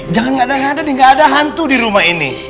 jangan gak ada gak ada nih gak ada hantu di rumah ini